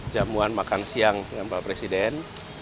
jamuan makan siang dengan pak presiden